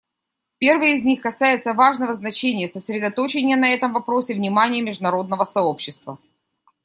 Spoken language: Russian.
Первый из них касается важного значения сосредоточения на этом вопросе внимания международного сообщества.